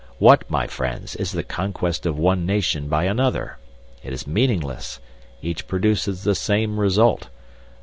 What, my friends, is the conquest of one nation by another? It is meaningless. Each produces the same result.